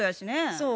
そう。